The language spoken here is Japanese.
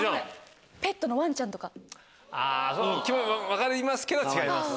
分かりますけど違います。